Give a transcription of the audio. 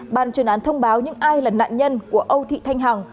ban chuyên án thông báo những ai là nạn nhân của âu thị thanh hằng